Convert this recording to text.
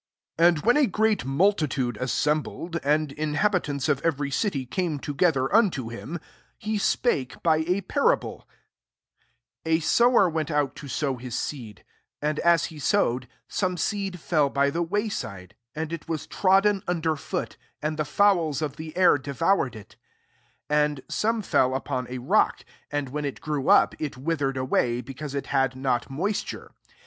4 And when a great tude assembled, and inha] of every city came to] unto him, he spake by a pai 5 "A sower went out to his seed : and, as he some 9eed fell by the way< and it was trodden under ft| and the fowls of the air det^i ed it 6 And some fell upill rock ; and when it grew ttM withered away, because itll not moisture.